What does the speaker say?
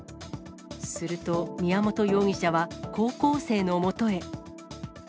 すると、宮本容疑者は高校生のもとへ。